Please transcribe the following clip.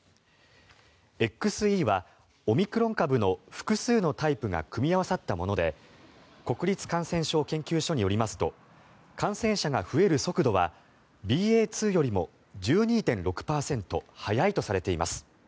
ＸＥはオミクロン株の複数のタイプが組み合わさったもので国立感染症研究所によりますと感染者が増える速度はＢＡ．２よりも１２．６％速いとされています。